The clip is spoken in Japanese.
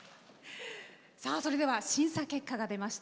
それでは審査結果が出ました。